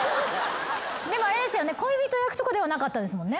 でもあれですよね恋人役ではなかったですもんね。